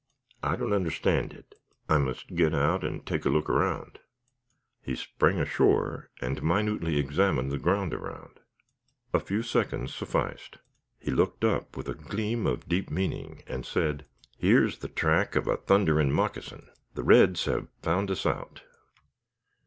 "I don't understand it; I must git out and take a look round." He sprang ashore, and minutely examined the ground around. A few seconds sufficed. He looked up with a gleam of deep meaning, and said: "Here's the track of a thunderin' moccasin. The reds have found us out."